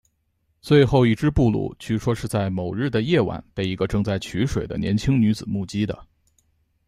最后一只布鲁据说是在某日的夜晚被一个正在取水的年轻女子目击的。